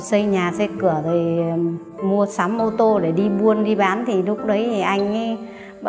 tôi nghe tin chồng tôi bị như vậy thì tôi cũng phải về